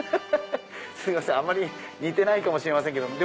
すいませんあんまり似てないかもしれませんけども。